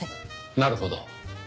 なるほど。